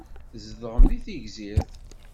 Tzedɣem deg Tegzirt?